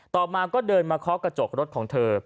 ต่อมาก็เดินคอล์กกระจกของรถของเธอ